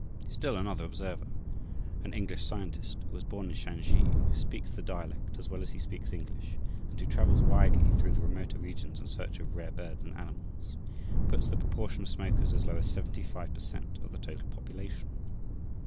Still another observer, an English scientist, who was born in Shansi, who speaks the dialect as well as he speaks English, and who travels widely through the remoter regions in search of rare birds and animals, puts the proportion of smokers as low as seventy five per cent. of the total population.